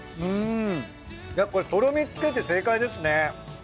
これとろみつけて正解ですね。